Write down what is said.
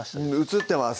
移ってます